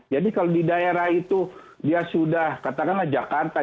jadi kalau di daerah itu dia sudah katakanlah jakarta